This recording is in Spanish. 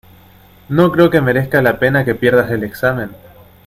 no creo que merezca la pena que pierdas el examen.